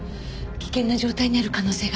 危険な状態にある可能性があります。